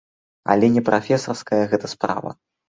Але не прафесарская гэта справа.